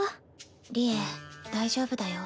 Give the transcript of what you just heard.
利恵大丈夫だよ。